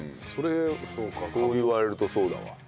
そう言われるとそうだわ。